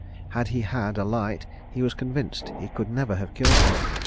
Had he had a light, he was convinced he could never have killed her.